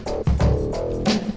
takkan bikin tonggak